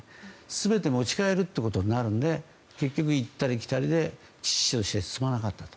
全て持ち帰ることになるんで結局行ったり来たりで遅々として進まなかった。